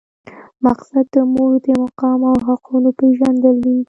مقصد د مور د مقام او حقونو پېژندل دي.